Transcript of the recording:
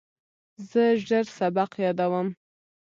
زه ژر سبق یادوم.